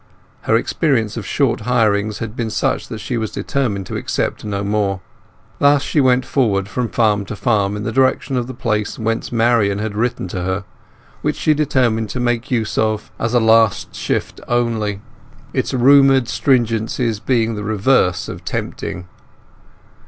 Her experience of short hirings had been such that she was determined to accept no more. Thus she went forward from farm to farm in the direction of the place whence Marian had written to her, which she determined to make use of as a last shift only, its rumoured stringencies being the reverse of tempting.